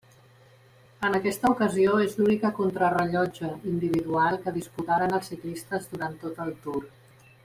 En aquesta ocasió és l'única contrarellotge individual que disputaren els ciclistes durant tot el Tour.